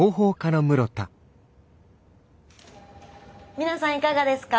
皆さんいかがですか？